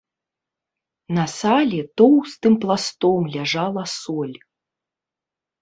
На сале тоўстым пластом ляжала соль.